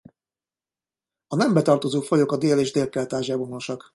A nembe tartozó fajok a Dél- és Délkelet-Ázsiában honosak.